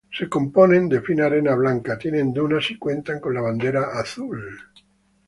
Se componen de fina arena blanca, tienen dunas y cuentan con la bandera azul.